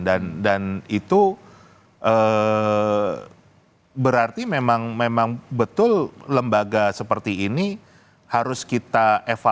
dan itu berarti memang betul lembaga seperti ini harus kita evaluasi